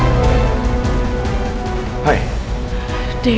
selamat siang putri